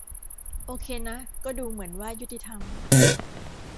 โอเคนะก็ดูเหมือนว่ายุติธรรม